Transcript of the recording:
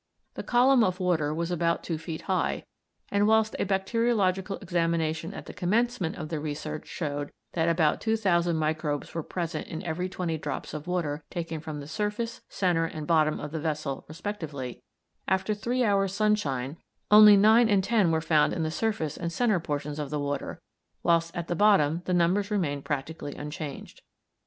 The column of water was about two feet high, and whilst a bacteriological examination at the commencement of the research showed that about two thousand microbes were present in every twenty drops of water taken from the surface, centre, and bottom of the vessel respectively, after three hours' sunshine only nine and ten were found in the surface and centre portions of the water, whilst at the bottom the numbers remained practically unchanged.